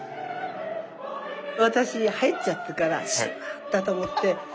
私入っちゃってから「しまった」と思って。